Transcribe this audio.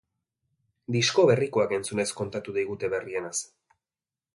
Disko berrikoak entzunez kontatu digute berrienaz.